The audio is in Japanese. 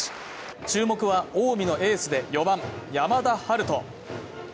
注目は近江のエースで４番・山田陽翔。